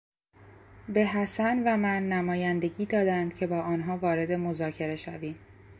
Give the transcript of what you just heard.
به حسن و من نمایندگی دادند که با آنها وارد مذاکره شویم.